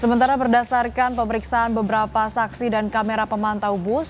sementara berdasarkan pemeriksaan beberapa saksi dan kamera pemantau bus